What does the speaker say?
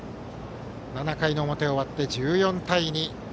７回の表が終わり１４対２。